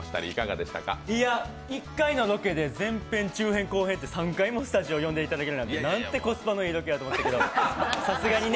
１回のロケで前編、中編、後編３回もスタジオ呼んでいただけるなんてなんてコスパのいいロケやと思いました。